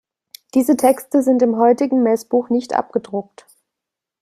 Diese Texte sind im heutigen Messbuch nicht abgedruckt.